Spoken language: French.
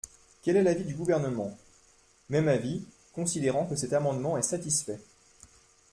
Quel est l’avis du Gouvernement ? Même avis, considérant que cet amendement est satisfait.